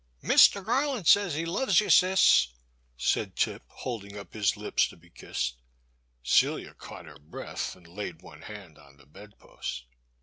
Mr. Garland says he loves you, Cis," said Tip, holding up his lips to be kissed. Celia caught her breath and laid one hand on the bed post.